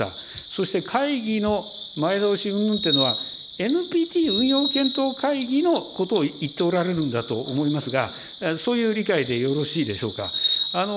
そして会議の前倒しうんぬんというのは、ＮＰＴ運用検討会議のことを言っておられるんだと思いますが、そういう理解でよろしいでしょうか。